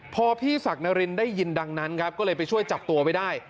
พอพี่ศักดิ์นารินได้ยินดังนั้นครับก็เลยไปช่วยจับตัวไว้ได้